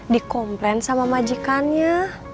dikomplain sama majikannya